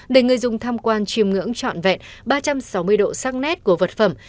để người dùng tham quan chìm ngưỡng trọn vẹn ba trăm sáu mươi độ sắc nét của vật phẩm